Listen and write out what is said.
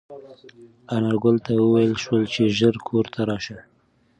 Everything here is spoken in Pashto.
انارګل ته وویل شول چې ژر کور ته راشي.